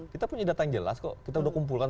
kita punya data yang jelas kok kita udah kumpulkan